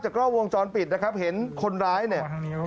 กล้องวงจรปิดนะครับเห็นคนร้ายเนี่ย